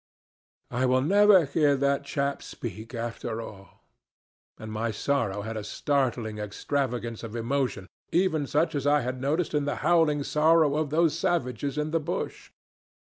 I will never hear that chap speak after all,' and my sorrow had a startling extravagance of emotion, even such as I had noticed in the howling sorrow of these savages in the bush.